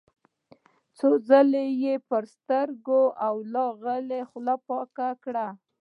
څو ځله يې پر سترګو لاغلې خوله پاکه کړه.